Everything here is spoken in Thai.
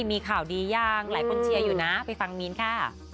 มีข่าวดียังหลายคนเชียร์อยู่นะไปฟังมีนค่ะ